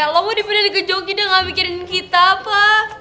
lo mau dipindahin ke jogja ga mikirin kita apa